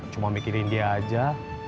cuma mikirin dia aja